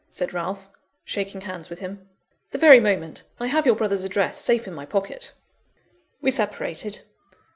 said Ralph, shaking hands with him. "The very moment. I have your brother's address safe in my pocket." We separated.